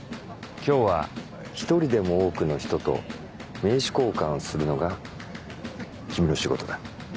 今日は１人でも多くの人と名刺交換するのが君の仕事だ。